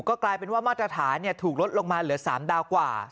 ก็กลายเป็นว่ามาตรฐานถูกลดลงมาเหลือ๓ดาวกว่า